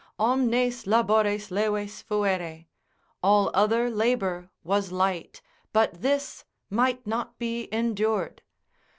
Omnes labores leves fuere, all other labour was light: but this might not be endured.